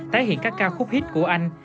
tái hiện các ca khúc hit của anh